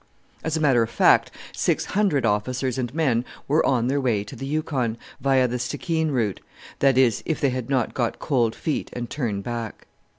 As a matter of fact, six hundred officers and men were on their way to the Yukon, via the Stikeen route: that is, if they had not got "cold feet" and turned back.